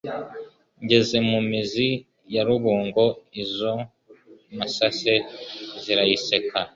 Ngeze mu mizi ya Rubungo, Izo mpasanze zirayiseka !